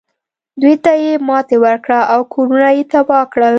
دوی ته یې ماتې ورکړه او کورونه یې تباه کړل.